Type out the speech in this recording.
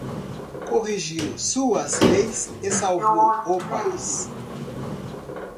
Corrigiu suas leis e salvou o país.